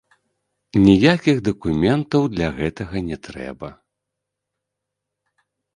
Ніякіх дакументаў для гэтага не трэба.